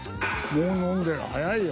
もう飲んでる早いよ。